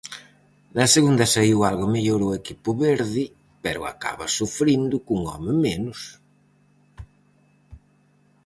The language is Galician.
Na segunda saíu algo mellor o equipo verde, pero acaba sufrindo cun home menos.